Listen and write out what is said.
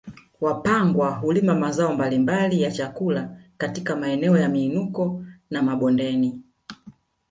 Wapangwa hulima mazao mbalimbali ya chakula katika maeneo ya miinuko na mabondeni